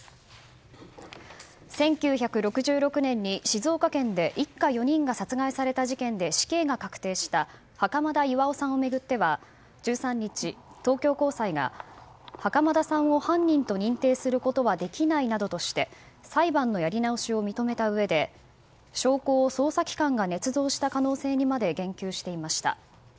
１９６６年に静岡県で一家４人が殺害された事件で死刑が確定した袴田巌さんを巡っては１３日、東京高裁が袴田さんを犯人と認定することはできないなどとして裁判のやり直しを認めたうえで証拠を捜査機関がねつ造した可能性にまで言及していました。